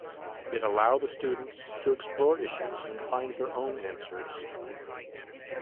It allow the students to explore issues and find their own answers.